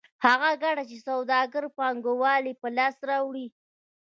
هغه ګټه چې سوداګر پانګوال یې په لاس راوړي